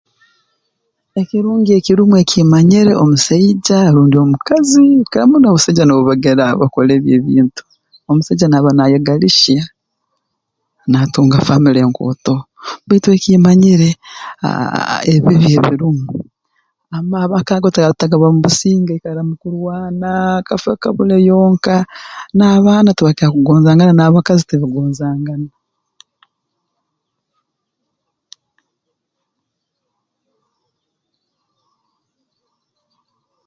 Ekirungi ekirumu eki mmanyire omusaija rundi omukazi kukira muno abasaija nubo bagira bakora ebi ebintu omusaija naaba naayegalihya naatunga famile nkootoho baitu eki mmanyire aa aa aa ebibi ebirumu ab amaka ago tigabamu businge haikaramu kurwana kafe kabule yonka n'abaana tibakira kugonzangana n'abakazi tibagonzangana